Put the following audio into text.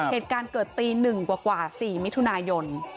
เหตุการณ์เกิดตี๑กว่า๔มิถุนายน